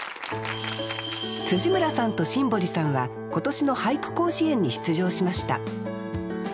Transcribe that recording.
村さんと新堀さんは今年の俳句甲子園に出場しました。